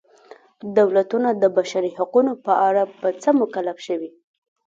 دولتونه د بشري حقونو په اړه په څه مکلف شوي.